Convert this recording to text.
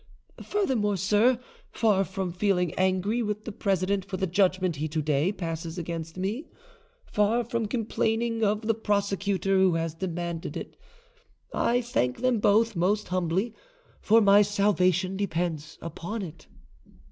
Furthermore, sir, far from feeling angry with the president for the judgment he to day passes against me, far from complaining of the prosecutor who has demanded it, I thank them both most humbly, for my salvation depends upon it."